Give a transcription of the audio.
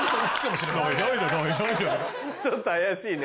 ちょっと怪しいね。